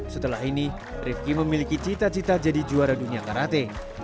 setelah ini rifki memiliki cita cita jadi juara dunia karate